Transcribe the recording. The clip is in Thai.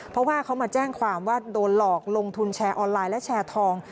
เพราะว่าเขามาแจ้งความว่าโดนหลอกลงทุนแชร์ออนไลน์และแชร์ทอง